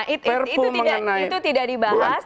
itu tidak dibahas